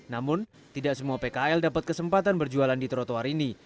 namun tidak semua pkl dapat kesempatan berjualan di trotoar ini